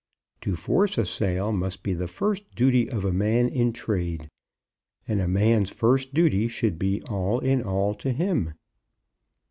To force a sale must be the first duty of a man in trade, and a man's first duty should be all in all to him.